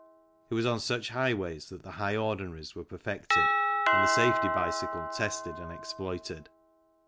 It was on such highways that the high ordinaries were perfected and the safety bicycle tested and exploited.